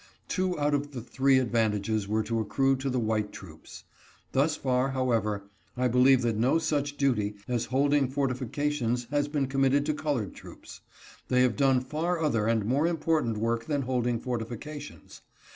Two out of the three advantages were to accrue to the white troops. Thus far, how ever, I believe that no such duty as holding fortifications has been committed to colored troops. They have done far other and more important work than holding fortifications.